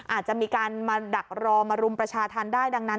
อาจจะมีการมาดักรอมารุมประชาธรรมได้ดังนั้น